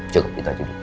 cukup itu aja dulu